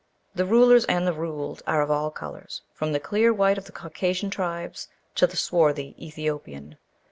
"The rulers and the ruled are of all colours, from the clear white of the Caucasian tribes to the swarthy Ethiopian.